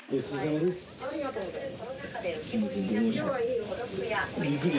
ありがとうございます。